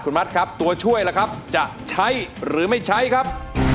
มัดครับตัวช่วยล่ะครับจะใช้หรือไม่ใช้ครับ